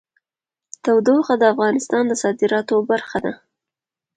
تودوخه د افغانستان د صادراتو برخه ده.